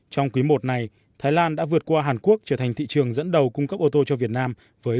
trong quý i này thái lan đã vượt qua hàn quốc trở thành thị trường dẫn đầu cung cấp ô tô cho việt nam với